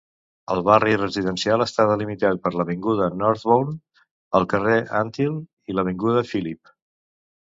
El barri residencial està delimitat per l'avinguda Northbourne, el carrer Antill i l'avinguda Philip.